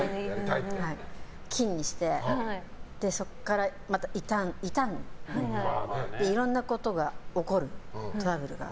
金にして、そこからまた傷んでいろんなことが起こるトラブルが。